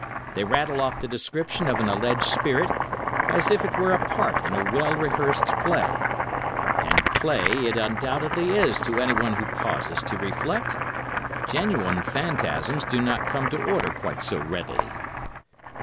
They rattle off the description of an alleged spirit, as if it were a part in a well rehearsed play—and play it undoubtedly is to anyone who pauses to reflect. Genuine phantasms do not come to order quite so readily.